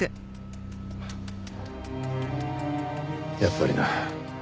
やっぱりな。